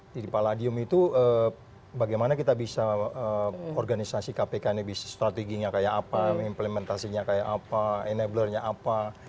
jadi palladium itu bagaimana kita bisa organisasi kpk ini bisa strateginya kayak apa implementasinya kayak apa enabler nya apa